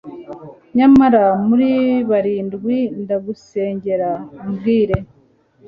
Nyamara muri barindwi Ndagusengera ubwire